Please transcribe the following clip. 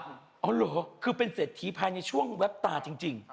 อ๋อเหรอคือเป็นเศรษฐีภายในช่วงแวบตาจริง